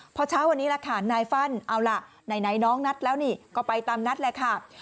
พอเช้าวันนี้ล่ะค่ะนายฟันเอาล่ะไหนน้องนัดแล้วนี่ก็ไปตามนัดแหละค่ะ